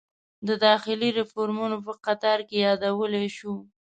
د داخلي ریفورومونو په قطار کې یادولی شو.